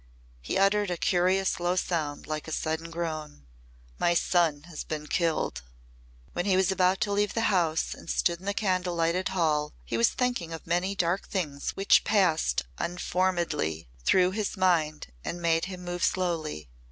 He uttered a curious low sound like a sudden groan, "My son has been killed." When he was about to leave the house and stood in the candle lighted hall he was thinking of many dark things which passed unformedly through his mind and made him move slowly.